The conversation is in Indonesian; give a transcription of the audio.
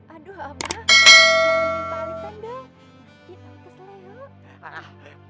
aduh abang jangan jumpa alita deh